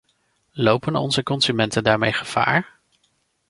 Lopen onze consumenten daarmee gevaar?